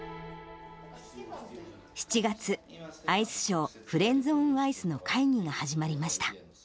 ７月、アイスショー、フレンズオンアイスの会議が始まりました。